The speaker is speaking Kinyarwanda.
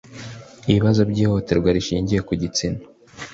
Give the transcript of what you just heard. ibibazo by ihohoterwa rishingiye ku gitsina